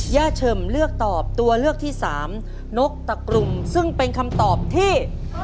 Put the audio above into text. เฉิมเลือกตอบตัวเลือกที่สามนกตะกลุ่มซึ่งเป็นคำตอบที่